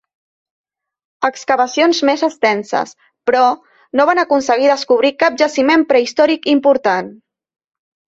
Excavacions més extenses, però, no van aconseguir descobrir cap jaciment prehistòric important.